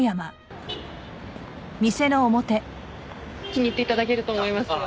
気に入って頂けると思いますよ。